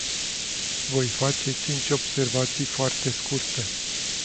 Voi face cinci observații foarte scurte.